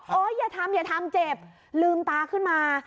อย่าทำอย่าทำเจ็บลืมตาขึ้นมา